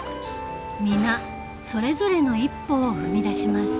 皆それぞれの一歩を踏み出します。